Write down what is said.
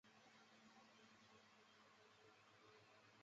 杨树后来夹在了唐红和顾菁菁之间。